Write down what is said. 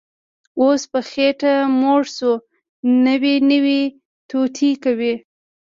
اوس په خېټه موړ شو، نوې نوې توطیې کوي